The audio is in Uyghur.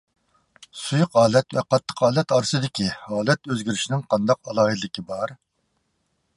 سۇيۇق ھالەت ۋە قاتتىق ھالەت ئارىسىدىكى ھالەت ئۆزگىرىشىنىڭ قانداق ئالاھىدىلىكى بار؟